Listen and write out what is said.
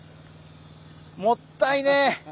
もったいねえ。